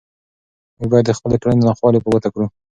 موږ باید د خپلې ټولنې ناخوالې په ګوته کړو.